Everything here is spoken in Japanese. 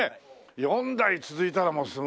４代続いたらもうすごいよ。